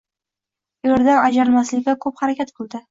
Eridan ajralmaslikka ko`p harakat qildi